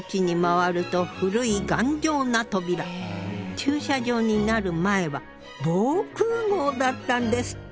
駐車場になる前は防空ごうだったんですって！